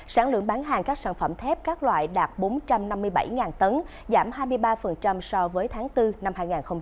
sản lượng bán hàng các sản phẩm thép các loại đạt bốn trăm năm mươi bảy tấn giảm hai mươi ba so với tháng bốn năm hai nghìn hai mươi ba